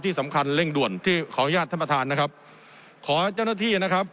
ที่สำคัญเร่งด่วนที่ขออนุญาตท่านประธานนะครับขอให้เจ้าหน้าที่นะครับ